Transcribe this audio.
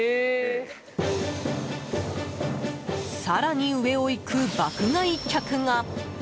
更に上をいく爆買い客が。